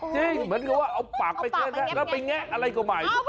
เหมือนกับว่าเอาปากไปเทิดแล้วไปแงะอะไรก็ใหม่